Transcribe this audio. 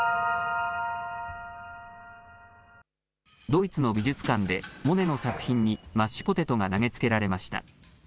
ドイツの美術館で、モネの作品に、マッシュポテトが投げつけられました。